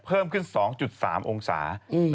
เพิ่มขึ้น๒๓องศา